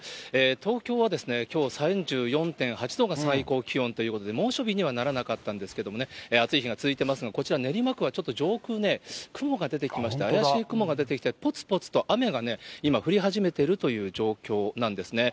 東京はですね、きょう、３４．８度が最高気温ということで、猛暑日にはならなかったんですけれどもね、暑い日が続いてますが、こちら練馬区は上空ね、雲が出てきまして、怪しい雲が出てきて、ぽつぽつと雨が今、降り始めているという状況なんですね。